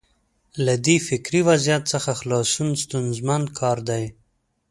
له دې فکري وضعیت څخه خلاصون ستونزمن کار دی.